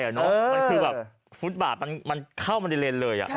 มันคือแบบฟุตบาทมันเข้ามาในเลนเลย